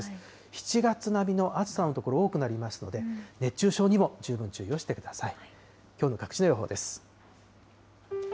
７月並みの暑さの所、多くなりますので、熱中症にも十分注意をしてください。